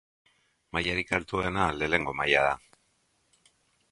Mailarik altuena lehenengo maila da.